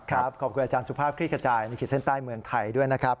ขอบคุณอาจารย์สุภาพคลิกกระจายในขีดเส้นใต้เมืองไทยด้วยนะครับ